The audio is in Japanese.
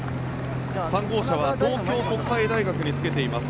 ３号車は東京国際大学につけています。